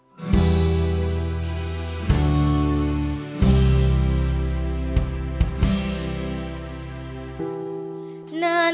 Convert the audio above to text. ที่หลักกลงมือยุ่ง